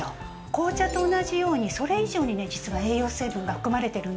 紅茶と同じようにそれ以上にね実は栄養成分が含まれてるんですよ。